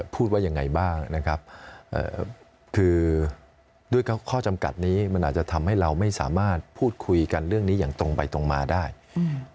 พูดว่ายังไงบ้างนะครับเอ่อคือด้วยข้อข้อจำกัดนี้มันอาจจะทำให้เราไม่สามารถพูดคุยกันเรื่องนี้อย่างตรงไปตรงมาได้อืม